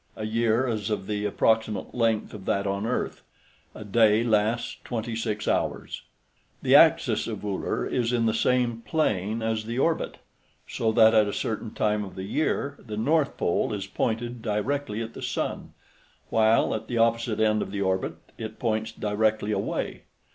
A year is of the approximate length of that on Earth. A day lasts 26 hours. The axis of Uller is in the same plane as the orbit, so that at a certain time of the year the north pole is pointed directly at the sun, while at the opposite end of the orbit it points directly away.